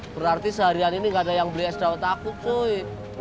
berarti seharian ini gak ada yang beli es dawet aku cuy